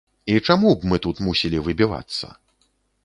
І чаму б мы тут мусілі выбівацца?